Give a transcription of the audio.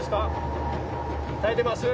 耐えてます？